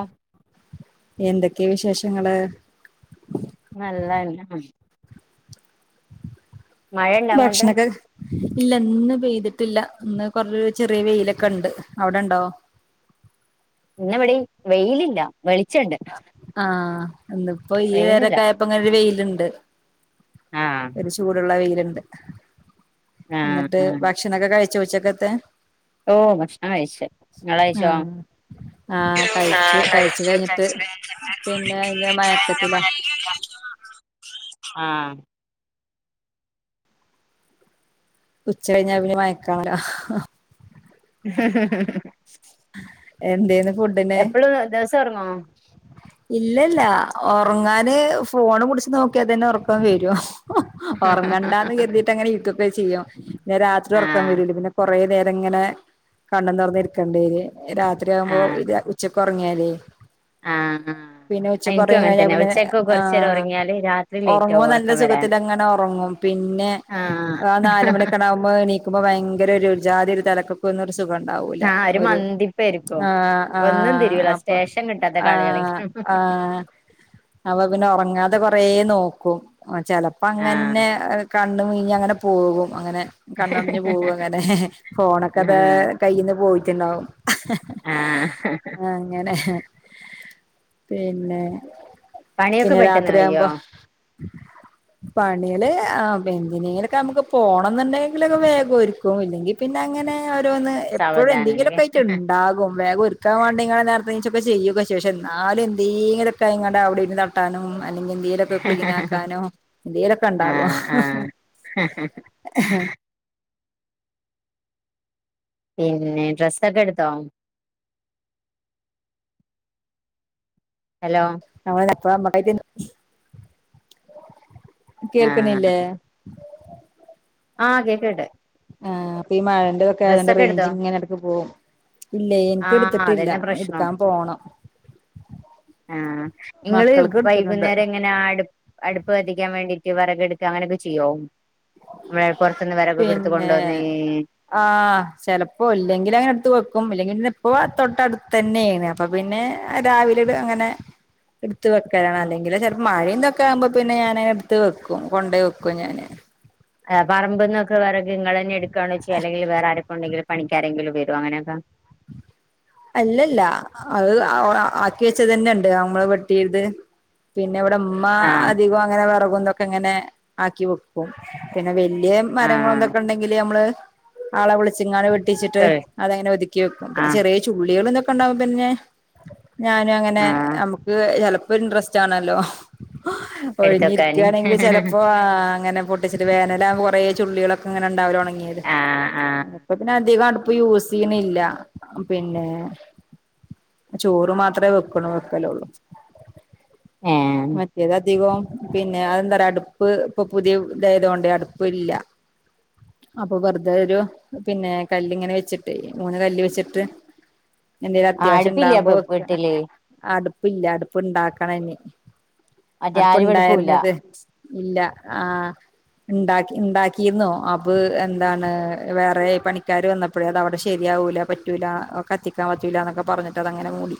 ആ എന്തൊക്കെയ വിശേഷങ്ങള് നല്ലത് തന്നെ മഴയുണ്ട അങ്ങോട്ട് ഭക്ഷണക്ക ഇല്ല ഇന്ന് പെയ്തിട്ടില്ല ഇന്ന് കൊറ ചെറിയ വെയിലൊക്കെ ഉണ്ട് അവിടെണ്ടോ ഇന്നവിടെ വെയിലില്ല വെളിച്ചണ്ട് ആഹ് എന്നിപ്പോ ഈ വേറെ വെയിലില്ല കായപ്പങ്ങ വെയിലുണ്ട് ആഹ് ഒരു ചൂടുള്ള വെയിലുണ്ട് ആഹ് എന്നിട്ട് ആഹ് ഭക്ഷണൊക്കെ കഴിച്ചോ ഉച്ചക്കത്തെ ഓ ഭക്ഷണം കഴിച്ച ഞങ്ങള ആഹ് ആഹ് കഴിച്ചു കഴിച്ചു കഴിഞ്ഞിട്ട് പിന്നെ അയിന്റെ മയക്കത്തിലാ കഴച്ചോ ആഹ് ഉച്ച കഴിഞ്ഞ പിന്നെ മയക്കാല എന്തേന്ന് ഫുഡ എപ്പഴും ദിവസം ഒർങ്ങൊ ഇല്ലല്ല ഉറങ്ങാന് ഫോണ് പിടിച്ച് നോക്കിയാ തന്നെ ഉറക്കാൻ വരു ഉറങ്ങണ്ടാന്ന് കരുതിട്ട് ങ്ങനെ യൂട്യൂബേ ചെയ്യും പിന്ന രാത്രി ഉറക്കാൻ ആഹ് വരൂല പിന്നെ കുറേ നേം ഇങ്ങനെ കണ്ണും തുറന്നിരിക്കണ്ടര് രാത്രിയാകുമ്പോ ആഹ് ഇ ഉച്ചക്ക്റങ്ങിയല് ആഹ് ആഹ് പിന്നെ ഉച്ച കുറ എനിക്കും അങ്ങനെ കഴിഞ്ഞാ തന്നെ പിന്നെ ഉച്ചക്ക് ആ കുറച്ചു നേരം ഉറങ്ങിയാല് രാത്രി ലേറ്റ് ഉറങ്ങുമ്പോ ആകും നല്ല ഉറക്കം വരാന് സുഖത്തിങ്ങനെ ഉറങ്ങും പിന്നെ ആഹ് ആ നാലുമണിയൊക്കെ ആകുമ്പോൾ നീക്കുമ്പോ ഭയങ്കര ഒരു ജാതി ഒരു തിലക്ക് ന്നർ സുഖം ഉണ്ടാവൂല ആഹ് ഒരു മന്തിപ്പായിരിക്കും ആഹ് ഒന്നും ആഹ് തിരിയൂല അപ്പ സ്റ്റേഷൻ കിട്ടാത്ത കളി ആഹ് കളിക്കും ആഹ് അവ പിന്നെ ഉറങ്ങാതെ കൊറേ നോക്കും ചെിലപ്പോ ആഹ് അങ്ങനെ കണ് മീഞ് അങ്ങനെ പോകും അങ്ങനെ കണ്ണറിഞ്ഞ് പോക അങ്ങനെ ഫോണൊക്കെ അത ആഹ് കയ്ൽന്ന് പോയിട്ടുണ്ടാവും ആഹ് അങ്ങനെ പിന്നെ പണിയൊക്കെ പിന്നെ പെട്ടെന്ന് കയ്യോ രാത്രിയാകുമ്പോ [inaudible] പണികള് ആ വെഞ്ചിനിലൊക്കെ നമുക്ക് പോണം എന്നുണ്ടെങ്കിലൊക്കെ വേഗം ഒരുക്കും. ഇല്ലെങ്കിൽ പിന്നെ അങ്ങനെ. അവരോന്ന് എപ്പോഴ സാവധാനല്ലേ എന്തെങ്കിലുമൊക്കെ ആയിട്ട് ഉണ്ടാകും. വേഗം ഒരുക്കാൻ വേണ്ടി ങ്ങ [unintelligible] ചെയ്യൊക്കെ ശേഷം എന്നാലും എന്തെങ്കിലൊക്കെ ഇ അവിടെ തട്ടാനും അല്ലെങ്ക എന്തും. എന്തെങ്കിലും ഒക്കെ ക്ലീൻ ആക്കാനോ, എന്തലൊക്കെ ഉണ്ടാകും. ആഹ് ആഹ് പിന്നെ, ഡ്രസ്സൊക്കെ എടുത്തോ? ഹലോ [unintelligible] കേൾക്കുന്നില്ലേ? ആഹ് ആഹ്, കേക്ക്ന്നുണ്ട്. ആഹ്, അപ്പൊ ഈ മഴന്റതൊക്ക ആയത് കൊണ്ട് റേഞ്ചി എടുത്തോ ഇങ്ങനെടക്ക് പോകും. ഇല്ല, എനിക്ക് ആഹ് എടുത്തിട്ടില്ല. അതന്നെ പ്രശ്നം എടുക്കാൻ പോണം. ആഹ്, നിങ്ങള് മക്കൾക്ക് എടുത്തിട്ടുണ്ട് വൈകുന്നേരം എങ്ങന അടു അടുപ്പ് കതിക്കാൻ വേണ്ടിട്ട് വിറക എടുക്കുക, അങ്ങനൊക്കെ ചെയ്യോ? വെ പൊറത്ത നിന്ന് വിറക് കൊക്കെ എടുത് കൊണ്ടു പിന്നെ വന്. ആഹ്, ചിലപ്പോ, ഇല്ലെങ്കിൽ അങ്ങനെ അടുത്ത് വെക്കും. ഇല്ലെങ്കിൽ ഇപ്പ തൊട്ട അടുത്ത് തന്നെണ്. അപ്പോൾ പിന്നെ, രാവിലെ ട് അങ്ങനെ. [inaudible] എടുത്ത് വെക്കലാണ് അല്ലെങ്കിൽ ചിലപ്പോ മഴയി തൊക്കെ ആകുമ്പോ പിന്നെ ഞാൻ എടുത്ത് വെക്കും കൊണ്ടേ വെക്കും ഞാന്. എ പറമ്പ്ന്നൊക്കെ വിറക് നിങ്ങളന്നെ എടുക്കയാണ ചെയ്യ. അല്ലെങ്കിൽ വേറെ ആരെക്കൊണ്ടെങ്കിലും പണിക്കാരെങ്കിലും വരൊ അങ്ങനെയൊക്കെ. അല്ല, ല്ല. അത് അ ഒ ആ ആക്കി വെച്ചത് തന്നെ ഉണ്ട്. നമ്മള് വെട്ടിയത്. പിന്നെ, ഇവിടെ ഉമ്മ ആഹ് അധികം അങ്ങനെ വിറകും തൊക്കെ, ഇങ്ങനെ ആക്കി വക്കും. പിന്നെ, വലിയ മരങ്ങള ആഹ് ന്തൊക്കെ ഉണ്ടെങ്കിൽ നമ്മള് ആളെ വിളിച്ചിങ്ങ ട്ടിച്ചിട്ട് ക്കെ അതങ്ങനെ ഒതുക്കി വെക്കും. പിന്നെ ആഹ് ചെറിയ ചുള്ളികള് തൊക്കെ ഉണ്ടാവും പോ പിന്നെ. ഞാനും അങ്ങനെ, ആഹ് നമുക്ക് ചിലപ്പോ ഒരു ഇൻട്രസ്റ്റ് ആണല്ലോ? എടുത്തക്കാന് ഒഴിഞ്ഞിരിക്കുവാണെങ്കിൽ ചെലപ്പോ അങ്ങനെ പൊ ട്ടിച്ചിട്ട് വേനലാകുമ്പം കൊറേ ചുള്ളികളൊക്കെ ഇങ്ങനെ ണ്ടാവലോ ഉണങ്ങിയത്. ആഹ് ആഹ് പ്പ പ്പിന്നെ അധികം. ഇപ്പൊ യൂസ് ചെയ്യണില്ല. പിന്നെ, ചോറ് മാത്രമേ വെക്കണ വെക്കലു ള്ളു. ഏഹ് മറ്റേതതികവും. പിന്നെ, അതെന്താ പറയാ അടുപ്പ് ഇപ്പൊ പുതിയ ഇതായതു കൊണ്ട് അടുപ്പ് ഇല്ല. അപ്പൊ, വെറുതെ ഒരു പിന്നെ കല്ല് ഇങ്ങനെ വെച്ചിട്ട് മൂന്ന് കല്ല് വെച്ചിട്ട്. എന്തെലും ആഹ് അത്യാവശ്യം അടുപ്പില്ലേ ഇണ്ടാവുമ്പോ അപ്പൊ വെക്ക. വീട്ടില് അടുപ് ഇല്ല അടുപ് ഇണ്ടാക്കണം ഇനി. മറ്റേ ആരുവടുപ്പൂല്ല അടുപ്പുണ്ടായിരുന്നത് ഇല്ല. ആഹ് ഉണ്ടാക്കി ഉണ്ടാക്കിയിന്നു, അത് എന്താണ് വേറെ പണിക്കാര് വന്നപ്പ അപ്പഴ അത് അവിടെ ശരിയാവൂല പറ്റൂല, കത്തിക്കാൻ പറ്റൂല. ന്നൊക്കെ പറഞ്ഞിട്ട് അതങ്ങനെ മൂടി.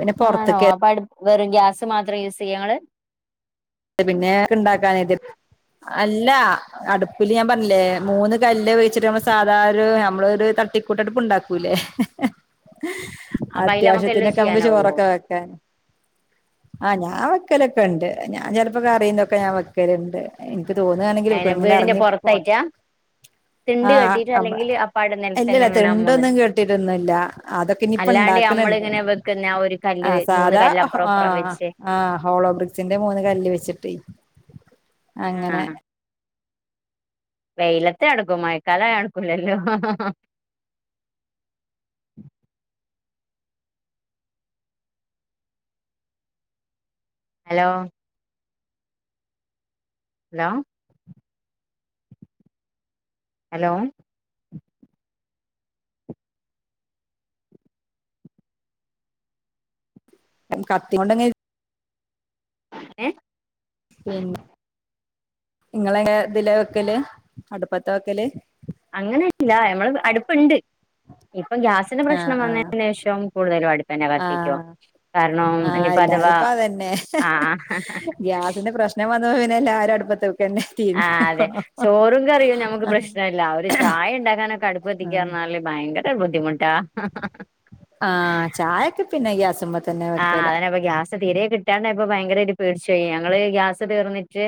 പിന്നെ ആണോ, പുറത്തേക്ക് അപ്പൊ അടു വെറും ഗ്യാസ് മാത്രം യൂസ് ചെയ്യ ങ്ങള്. പിന്നെ ഉണ്ടാക്കാനത് അല്ല. അടുപ്പില് ഞാൻ പറഞ്ഞില്ലേ? മൂന്ന് കല്ല് വച്ചിട്ട് നമ്മൾ സാധാരണ നമ്മള ഒരു തട്ടിക്കൂട്ട അടുപ് ഉണ്ടാക്കൂ ല്ലേ? അപ്പൊ അയില് നമുക്ക് എല്ലാം അത്യാവശ്യത്തിനൊക്കെ നമുക്ക് ചെയ്യാനാവോ ചോറക്കെ വെക്കാൻ. ആഹ്, ഞാൻ വയ്ക്കലൊക്കെ ഉണ്ട്. ഞാൻ ചിലപ്പോക്ക കറിയുന്നൊക്കെ ഞാൻ വയ്ക്കലുണ്ട്. എനിക്ക് തോന്നുകവാണെങ്കിൽ, അയിന് വെക്ക് ഇങ്ങനെ വീടിന്റെ ഇറങ്ങി പോവ പൊറത്തായിട്ടാ തിണ്ട് ആഹ്, കെട്ടീട്ട് അല്ലെങ്കിൽ അപ്പാടെ ഇല്ല നെൽത്തന്നെ ല്ല അങ്ങനെ മൂന്ന് തിണ്ടൊന്നും കേട്ടിട്ടൊ ന്നും ല്ല. അതൊക്കെ ഇനിപ്പ അല്ലാണ്ട് ഇണ്ടാക്കണണ്ട്. നമ്മളിങ്ങനെ വെക്കുന്ന ആ ഒരു കല്ല് ആഹ്, മൂന്ന് സാധാ കല്ല് അപ്പുറം ഇപ്പുറം ആഹ്. വെച്ച് ആഹ്, ഹോളോ ബ്രിക്സിന്റെ മൂന്ന് കല്ല് വെച്ചിട്ട് അങ്ങനെ. വെയിലത്തെ നടക്കും മഴക്കാല നടക്കൂല്ല ല്ലോ? ഹലോ ഹലോ ഹലോ കത്തിം കൊണ്ടെങ്ങനെ ഇര് ഏഹ് പിന്നെ ഇങ്ങളെങ്ങനെ ഇതിലാ വെക്കല് അടുപ്പത്താ വെക്കല് അങ്ങനെല്ല നമ്മള് അടുപ്പ്ണ്ട് ഇപ്പൊ ഗ്യാസിന്റെ ആഹ് പ്രശ്നം ആഹ് വന്നേന് ശേഷം കൂടുതലും അടുപ്പന്നെ കത്തിക്കും ആഹ് കാരണം ആഹ് ഇഞ്ഞിപ്പ എല്ലാരും അതവാ ആഹ്ഹ് ഗ്യാസ്ന്റെ പ്രശ്നം വന്നപ്പ പിന്നെ എല്ലാരും അടുപ്പത്ത് വെക്കന്നെ ആഹ് അതെ തിരിഞ്ഞിക്കണു ചോറും കറിയും ഞമ്മക്ക് പ്രശ്നല്ല ഒരു ചായ ഇണ്ടാക്കാനൊക്കെ അടുപ്പ് കത്തിക്കാർഞ്ഞാല് ഭയങ്കര ബുദ്ധിമുട്ടാ ആഹ് ചായെക്കെ പിന്നെ ഗ്യാസ്മ്മത്തന്നെ വെക്കല് ഇങ്ങനാവുമ്പോ ഗ്യാസ് സ്തീരെ കിട്ടാണ്ടായപ്പൊ ഭയങ്കരായ്ട്ട് പേടിച്ചാേയീ ഞങ്ങള് ഗ്യാസ് തീർന്നിട്ട്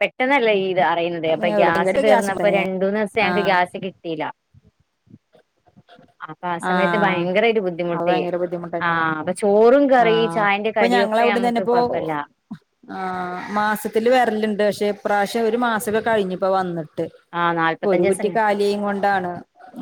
പെട്ടെന്നല്ലേ ഈ ഇത്അറിയുന്നത് അപ്പൊ പിന്നെ എളുപ്പം ഗ്യാസ് ഗ്യാസുമ്മ തീർന്നപ്പോ തന്നെ രണ്ടൂന്നൂസം ഞങ്ങക്ക് ആഹ് ഗ്യാസ് കിട്ടീല അപ്പാ ആസമയത്ത് ആഹ് ഭയങ്കരായിട്ട് അത് ബുദ്ധിമുട്ടി ഭയങ്കര ബുദ്ധിമുട്ടുണ്ടാവും ആഹ് ചോറും കറി ആഹ് ചായന്റെ ഇപ്പൊ കടിയൊക്കെ ഞങ്ങളവിടന്ന് തന്നെ നമ്മക്ക് ഇപ്പോ കൊഴപ്പല്ല ആഹ് മാസത്തില് വരല്ണ്ട് പക്ഷെ ഇപ്രാവശ്യം ഒരു മാസൊക്കെ കഴിഞ്ഞുപ്പൊ വന്ന് ട്ട് ആഹ് ഒരു നാല്പത്തഞ്ച് കുറ്റി ദിവസം കാലിആയിങ്ങോണ്ടാണ്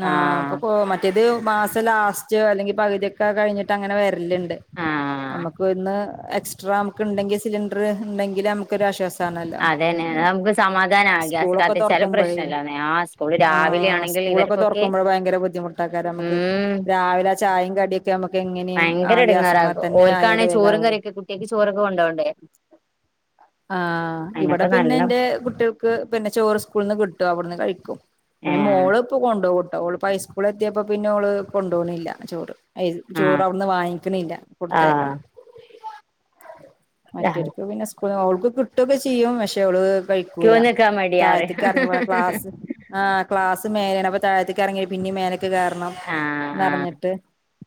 ആഹ് അപ്പൊ കോ- മറ്റത് മാസം ലാസ്റ്റ് അല്ലെങ്കി പകുതിയൊക്കെ കഴിഞ്ഞിട്ട് അങ്ങനെ വരല്ണ്ട് ആഹ് നമ്മക്ക് ഒന്ന് എക്സ്ട്രാഅമ്മക്ക് ഇണ്ടെങ്കി സിലിണ്ടർ ഇണ്ടെങ്കില് അമ്മക്കൊര് ആശ്വാസ- അതന്നെ അആകുമ്പോ സ് സമാധാനാണ് ഗ്യാസ് സ്കൂളൊക്കെ കത്തിച്ചാലും തുറക്കുമ്പോഴേ പ്രശ്നല്ലാന്നെ ആഹ് സ്കൂള് രാവിലെ ആണെങ്കില് ഇവര്ക്കൊക്കെ ണ്ടാക്കാര അമ്മക്ക് രാവിലെ ചായീം കടിംഒ - ക്കെമ്മക്ക് എങ്ങനിം ആ ഭയങ്കര ഗ്യാസ്മ്മതന്നെ ആയാലെ വേഗാവൊള്ളൂ കുട്ട്യാക്ക് ചോറൊക്കെ കൊണ്ടോണ്ടെ ആഹ് ഇവടെ പിന്നെ നല്ല ഇന്റെ കുട്ട്യാൾക്ക് പിന്നെ ചോറ് സ്കൂൾന്ന് കിട്ടും അവുട്ന്ന് കഴിക്കും ഏഹ് മോള്പ്പൊ കൊണ്ടോവുംട്ടൊ ഓൾപ്പൊ ഹൈസ്കൂളെത്യേപ്പൊ പിന്നോള് കൊണ്ടോണ്ല്ല ചോറ് ഏയ് ചോറ ആഹ് അവ്ട്ന്ന് വാങ്ങിക്ക്ണില്ല ആഹ് കൊട്ത്തയ്ക്കണം മറ്റോര്ക്ക് പിന്നെ സ്കൂൾന്ന് ഓൾക്ക് കിട്ടൊക്കെ ചെയ്യും പക്ഷെ ഓള് കഴി - ക്യൂ ക്കൂല നിക്കാൻ മടിയാറിം താഴ്ത്ത്ക്ക് എറങ്ങി പോണം ക്ലാസ്- ആഹ് ക്ലാസ് മേലേണപ്പൊ താഴത്ത്ക്ക് എറങ്ങി പിന്നീം മേലക്ക് കേറണം ആഹ് ആഹ് ന്നർഞ്ഞ്ട്ട്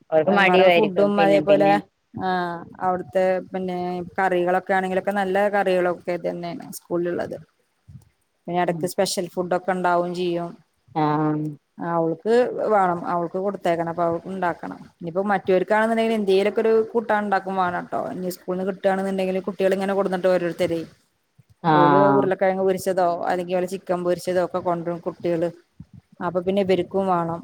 അവർക്ക് വേറെ [unintelligible] മടിയായിരിക്കും ഫുഡും പിന്നെ അതേപോലെ പിന്നെ ആഹ് അവ്ട്ത്തെ പിന്നെ കറികളൊക്കെ ആണെങ്കിലും നല്ല കറികളൊക്കെ തന്നേണ് സ്കൂൾല്ള്ളത് പിന്നെ എടക്ക് സ്പെഷ്യൽ ഫു- ഫുഡൊക്കെ ഇണ്ടാവും ചെയ്യും ആഹ് ആഹ് ഓള് - ക്ക് വാണം അവൾക്ക് കൊടുത്തയക്കണം അപ്പ അവൾക്കും ഇണ്ടാക്കണം ഇനിപ്പോ മറ്റോര്ക്കാണ്ന്ന്ണ്ടെങ്കിലും എന്തേലൊക്കെര് കൂട്ടാ ഇണ്ടാക്കും വാണംട്ടോ ഇഞ്ഞ് സ്കൂള്ന്ന് കിട്ടാണ്ന്ന്ണ്ടെങ്കില് കുട്ട്യാള് - ഇങ്ങനെ കൊട്ന്ന്ട്ട് ഓരോര്ത്തരെ ഓല് ആഹ് ഉർള കെഴങ്ങ് പൊരിച്ചതോ അല്ലെങ്കി വല്ല ചിക്കൻ പൊരിച്ചതോ ഒക്കെ കാെണ്ട്രും കുട്ട്യാള് അപ്പൊ പിന്നെ ഇവര്ക്കും വാണം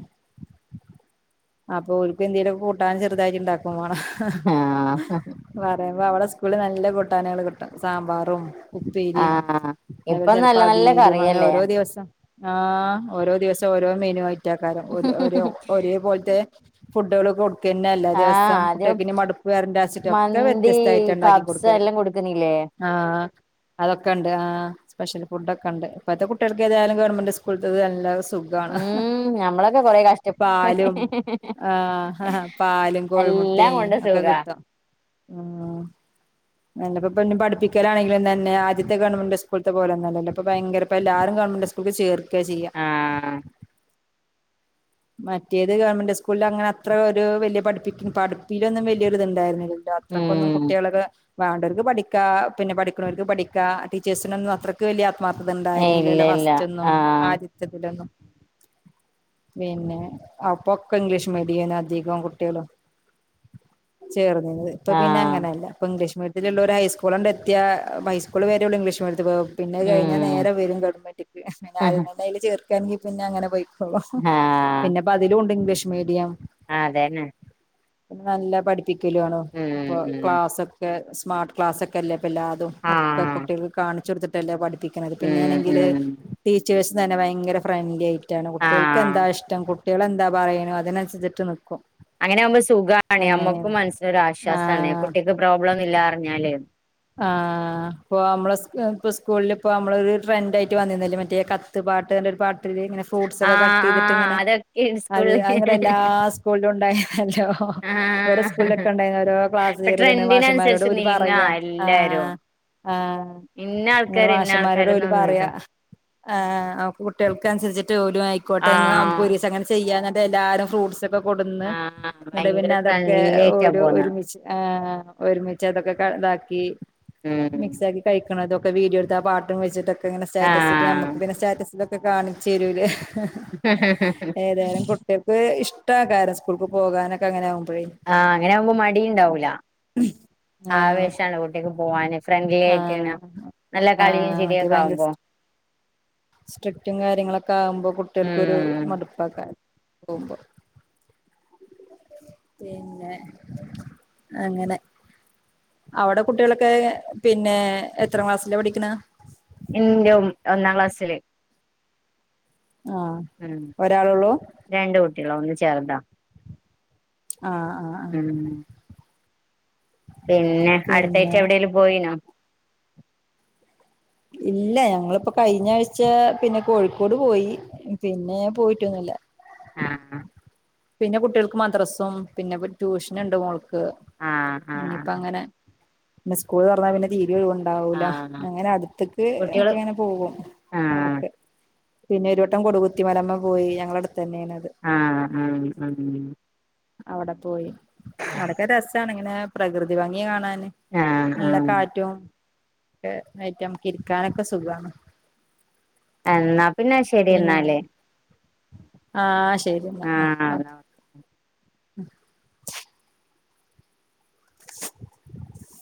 അപ്പൊ ഓൽക്കെന്തേലൊക്കെ കൂട്ടാൻ ചെറുതായിട്ട് ഇണ്ടാക്കുംവാണം ആഹ് പറയുമ്പോ അവടെ സ്കൂൾല് നല്ല കൂട്ടാനാള് കിട്ടും സാമ്പാറും ഉപ്പേരിയും ആഹ് അതേപോലെ ഇപ്പൊ ചെലപ്പോ നല്ല നല്ല അവിയലും അങ്ങനെ കറിയല്ലേ ഓരോ ദിവസം ആഹ് ഓരോ ദിവസം ഓരോ മെനു ആയിറ്റാക്കാരം ഒര് ഒരേ ഒരേ പോൽത്തെ ഫുഡ്ഡ്കള് കൊട് ക്കെന്നല്ലെ ആഹ് ദിവസം. ആദ്യം കുട്ട്യക്ക്നി മടുപ്പ് വെരണ്ടാച്ച്ട്ടൊക്കെ വ്യത്യസ്തായിട്ടാ ഇണ്ടാക്കി കൊട്ക്കല്. ക്കനീല്ലെ ആഹ് അതൊക്കണ്ട് ആഹ് സ്പെഷ്യൽ ഫു‌ഡോക്കെണ്ട്. ഇപ്പത്തെ കുട്ട്യാൾക്കേതായാലും ഗവൺമെന്റ് സ്കൂൾത്തത് നല്ലെ സു ഖാണ്. ഉം ഞമ്മളൊക്കെ കൊറെ കഷ്ടപ്പെട്ടു പാലും ആഹ് പാലും എല്ലാം കോഴിമുട്ടീം കൊണ്ട് ഒക്കെ സുഖാ കിട്ടും. ആഹ് അല്ല ഇപ്പപ്പഞ്ഞി പഠിപ്പിക്കലാണങ്കിലും തന്നെ ആദ്യത്തെ ഗവൺമെന്റ് സ്കൂള്ത്തെ പോലെന്നും അല്ലല്ലോ ഇപ്പൊ ഭയങ്കര ഇപ്പെല്ലാരും ഗവൺമെന്റ് സ്കൂ ളിൽ ചേർക്കാ ചെയ്യ ആഹ് മറ്റേത് ഗവൺമെന്റ് സ്കൂളിലങ്ങനെ അത്രഒരു വല്യ പഠിപ്പിക്ക പഠിപ്പിലൊന്നും വല്ല്യത്ണ്ടായ്നില്ലല്ലോ ല അത്രക്കൊന്നും ഉം കുട്ടിയാളൊര് വാണ്ടോർക്ക് പഠിക്കാ പിന്നെ പഠിക്ക്ണോൽക്ക് പഠിക്കാ ടീച്ചേഴ്സിനൊന്നും അത്ര ഇക്ക് വല്ല്യ ആത്മാർത്ഥത ഇല്ല ണ്ടായിരുന്നില്ലല്ലൊ ഇല്ല ഫസ്റ്റൊന്നും ആഹ് ആദ്യത്തതിലൊന്നും പിന്നെ അപ്പൊക്കെ ഇംഗ്ലീഷ് മീഡിയന് അധികം കുട്ടികളും ചേർന്നീനത് ഇപ്പ ആഹ് പിന്നെങ്ങനല്ല ഇപ്പൊ ഇംഗ്ലീഷ് മീഡിയത്തില്ള്ളോര് ഹൈസ്കൂളണ്ട് എത്തിയാ ഹൈസ്കൂള് വരെള്ളൂ ഇംഗ്ലീഷ്മീഡിയത്തി പോ പിന്നെ അത് ‌ കയ്ഞ്ഞാ ഉം നേരെ വരും ഗവൻമെന്റ്ക്ക് ഉം പിന്നെ ആദ്യം തന്നയ്ല് ചേർക്കാണെങ്കി പിന്നങ്ങനെ പൊയ്ക്കോളും പിന്നെപ്പതിലുവുണ്ട് ഇംഗ്ലീഷ് മീഡിയം ആതന്നെ പിന്നെ നല്ല പഠിപ്പിക്കലു ആണ് അപ്പൊ ഉം ഉം ക്ലാസൊക്കെ സ്മാർട്ട് ക്ലാസൊക് ക്കല്ലേ പില്ലാതും ഒക്കെ ആഹ് കുട്ടികൾക്ക് കാണിച്ചൊട്ത്തിട്ടല്ലേ പഠിപ്പിക്ക്ണത് ഉം പിന്നേണെങ്കില്- ഉം ടീച്ചേഴ്സ് തന്നെ ഭയങ്കര ഫ്രണ്ട്ലി ആയിട്ടാണ് ആഹ് കുട്ടികൾക്കെന്താ ഇഷ് ടി കുട്ടികളെന്താ പറയ്ണു അതിനനുസരിച്ചിട്ട് നിക്കും. അങ്ങനെയാവുമ്പോ സുഖാണേ നമ്മക്കും അങ്ങനെയാണ് മനസിനൊരാശ്വാസാണെ ആഹ് കുട്ടിക്ക് പ്രോബ്ലൊന്നുല്ല അറിഞ്ഞാല് ആഹ് പ്പൊ മ്മളെ സ് പ്പൊ സ്കൂളില് പ്പൊരു ട്രന്റായിട്ട് വന്നീന്ന്ലേ മറ്റേ കത് ത്ത് പാട്ട്ന്റൊരു പാട്ടില്ലെ ങ്ങനെ ഫ്രൂട്ട്സൊക്കെ ആഹ് ആഹ് കട്ടെയ്ത്ട്ട്ങ്ങനെ അതൊക്കെ അത് സ്കൂളിൽ അത്ങ്ങട്ട് എല്ലാ സ് കൂളിലുണ്ടായിരുന്നല്ലോ ആഹ് ഇവരെസ്കൂളിലൊക്കെണ്ടയ്നി ഓരോ ഇപ്പൊ ക്ലാസ്സ്ലീഡ് പിന്നെ ട്രെൻഡിനനുസരിച്ച് മാഷമാരോടോല് നീങ്ങാ പറയ എല്ലാരും ആഹ് ആഹ് ഇന്ന ന്നട്ട് ആൾക്കാര് ഇന്ന മാഷന്മാരോടോല് ആൾക്കാരന്നൊന്നുമില്ല പറയാ ആഹ് കുട്ടികൾക്കനുസരിച്ചിട്ട് ഓലും ആയിക്കോട്ടെ ന്നാ ആഹ് നമ്മക്കൊരീസം അങ്ങനെ- ചെയ്യാ ന്ന്ട്ടെല്ലാരും ഫ്രൂട്ട്സൊക്കെ കൊട്ന്ന് ആഹ് ന്ന്ട്ട് ഭയങ്കര പിന്നതൊക്കെ ഫ്രണ്ട്ലി ആയിട്ടാ ഒരു പോന്നെ ഒരുമിച്ച് ആഹ് ആ ഒരുമിച്ചതൊക്കെ ക താക്കി ഉം മിക്സാക്കി കഴിക്- ണതുവൊക്കെ വീഡിയോട്ത്ത് ആ പാട്ടും വെച്ചിട്ടൊക്കെങ്ങനെ സ്റ്റാറ്റസ് ആഹ് നമ്മക്ക് പിന്നെ സ്റ്റാറ്റസിലൊക്കെ കാണിച്ചെരൂലെ ഏതായാലും കുട് ട്ടികക്ക് ഇഷ്ട്ടാക്കാരം സ്കൂൾക്ക് പോകാനൊക്കെങ്ങനാവുമ്പഴേ ആഹ് അങ്ങനാകുമ്പോ മടിണ്ടാവൂല ആഹ് ആവേശാണ് കുട്ടികക്ക് പോകാന് ഫ്രണ്ട്ലിയായിട്ട്ങ്ങന ആഹ് നല്ല കളിയും ആഹ് മറ്റേ ഭയങ്കര ചിരിയൊക്കാവുമ്പോ ഇഷ്ട സ്ട്രിക്റ്റും കാര്യങ്ങളൊക്കാവുമ്പോ കുട്ടിയൾക്കൊരു ഉം മടുപ് പ്പക്ക പൊവുമ്പോ പിന്നെ അങ്ങനെ അവിടെ കുട്ടികളൊക്കെ പിന്നെ എത്രാം ക്ലാസ്സിലാ പഠിക്കണ [unintelligible] ഒന്നാം ക്ലാസ്സില് ആഹ് ഹ്മ്മ് ഒരാളൊള്ളൂ രണ്ട് കുട്ടികളാ, ഒന്ന് ചെർതാ ആഹ് ആഹ് ആഹ് ഹ്മ്മ് പിന്നെ, അടുത്തായ്ച്ച പിന്നെ എവിടേലും പോയിനോ? ഇല്ല, ഞങ്ങളിപ്പോ കഴിഞ്ഞാഴ്ച്ചാ പിന്നെ കോഴിക്കോട് പോയി പിന്നെ പോയിട്ടൊന്നുല്ല ആഹ് പിന്നെ കുട്ടിയൾക്ക് മദ്രസും പിന്നെപ്പ ട്യൂഷന്ണ്ട് മോൾക്ക് ആഹ് ആഹ് ഇനിപ്പങ്ങനെ സ്കൂള് തൊറന്നാ പിന്നെ തീരിം ഒഴിവ് ണ്ടാവൂല. ആഹ് അങ്ങനട്ത്ത്ക്ക് ഒക്കെ കുട്ടികള് ഇങ്ങനെ പോകും ആഹ് എടക്ക് പിന്നൊരുവട്ടം കൊടുകുത്തിമലമ്മെ പോയി, ഞങ്ങളെട്ത്തന്നേണത് ആഹ് ആഹ് ആഹ് അവടെ പോയി. അവടക്കെ രസാണ് ഇങ്ങനെ പ്രകൃതി ഭംഗി കാണാന് ആഹ് നല്ല ആഹ് കാറ്റും ക്കെ ഐറ്റ് നമ്മക്ക് ഇരിക്കാനൊക്കെ സുഖാ എന്നാ പിന്നെ ശെരി എന്നാല് ആഹ് ശെരിന്നാ ആഹ് ഒക്കെ [inaudible] [inaudible]